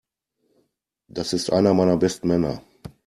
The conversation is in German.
Das ist einer meiner besten Männer.